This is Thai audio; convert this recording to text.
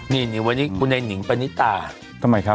นี่วันนี้คุณไอ้หนิงปณิตาทำไมครับ